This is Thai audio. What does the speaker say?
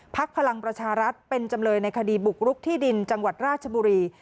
พลังประชารัฐเป็นจำเลยในคดีบุกรุกที่ดินจังหวัดราชบุรี